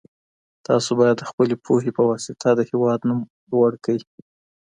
تاسو بايد د خپلي پوهي په واسطه د هېواد نوم لوړ کړئ.